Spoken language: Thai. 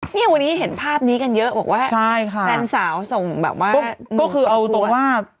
เนี่ยวันนี้เห็นภาพนี้กันเยอะบอกว่าใช่ค่ะแฟนสาวส่งแบบว่าก็คือเอาตรงว่า